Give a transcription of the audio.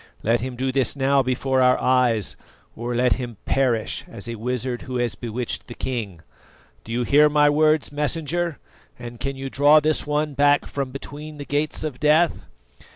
Let him do this now before our eyes, or let him perish as a wizard who has bewitched the king. Do you hear my words, Messenger, and can you draw this one back from between the Gates of Death?"